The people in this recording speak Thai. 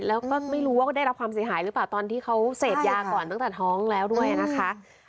แล้วก็ไม่รู้ว่าได้รับความเสียหายหรือเปล่าตอนที่เขาเสพยาก่อนตั้งแต่ท้องแล้วด้วยนะคะ